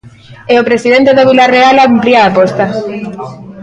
E o presidente do Vilarreal amplía a aposta.